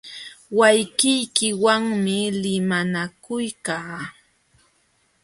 Wawqiykiwanmi limanakuykaa.